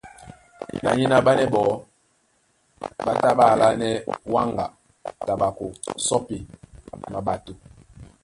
Kanyéná ɓánɛ́ ɓɔɔ́ ɓá tá ɓá alánɛ́ wáŋga, taɓako, sɔ́pi, maɓato.